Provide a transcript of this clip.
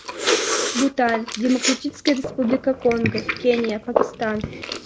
Бутан, Демократическая Республика Конго, Кения, Пакистан.